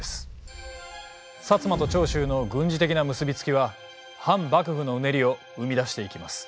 摩と長州の軍事的な結び付きは反幕府のうねりを生み出していきます。